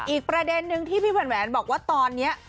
อีกประเด็นนึงที่พี่แหวนบอกว่าตอนนี้